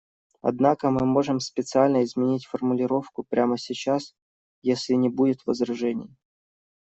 Однако мы можем специально изменить формулировку прямо сейчас, если не будет возражений.